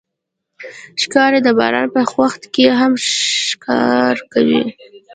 ښکاري د باران په وخت کې هم ښکار کوي.